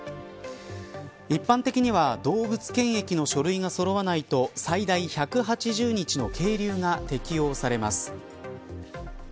一般的には動物検疫の書類がそろわないと最大１８０日の係留が適用されます。